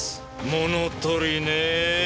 物取りねえ。